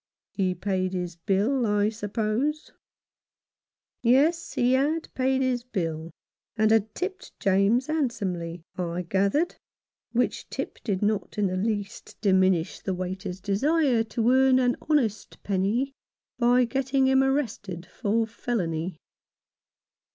He paid his bill, I suppose ?" Yes, he had paid his bill, and had tipped James handsomely, I gathered, which tip did not in the least diminish the waiter's desire to earn an honest penny by getting him arrested for felony.